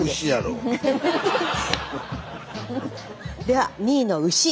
では２位の牛。